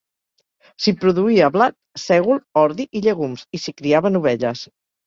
S'hi produïa blat, sègol, ordi i llegums, i s'hi criaven ovelles.